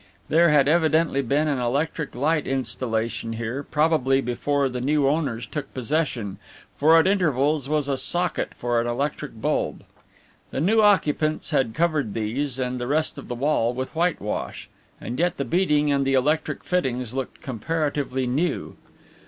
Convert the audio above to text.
There had evidently been an electric light installation here, probably before the new owners took possession, for at intervals was a socket for an electric bulb. The new occupants had covered these and the rest of the wall with whitewash, and yet the beading and the electric fittings looked comparatively new.